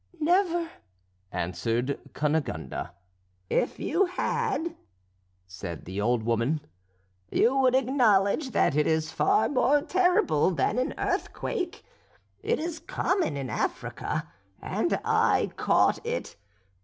"Never," answered Cunegonde. "If you had," said the old woman, "you would acknowledge that it is far more terrible than an earthquake. It is common in Africa, and I caught it.